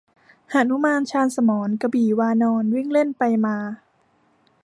หนุมานชาญสมร กระบี่วานร วิ่งเล่นไปมา